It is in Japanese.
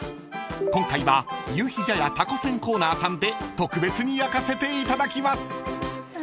［今回は夕日茶屋たこせんコーナーさんで特別に焼かせていただきます］